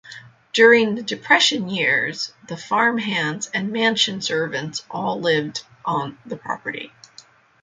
During the Depression years, the farmhands and mansion servants all lived on the property.